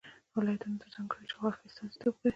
ولایتونه د ځانګړې جغرافیې استازیتوب کوي.